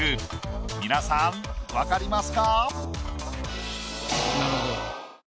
皆さん分かりますか？